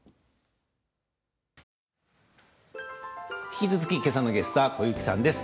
引き続き今朝のゲストは小雪さんです。